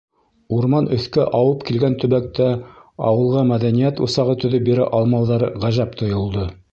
Урман өҫкә ауып килгән төбәктә ауылға мәҙәниәт усағы төҙөп бирә алмауҙары ғәжәп тойолдо.